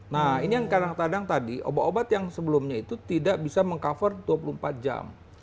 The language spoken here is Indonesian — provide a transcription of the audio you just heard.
nah ini yang kadang kadang tadi obat obat yang sebelumnya itu tidak bisa meng cover dua puluh empat jam